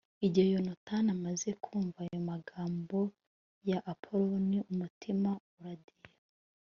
igihe yonatani amaze kumva ayo magambo ya apoloni, umutima uradiha